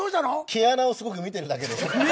毛穴をすごく見てるだけです。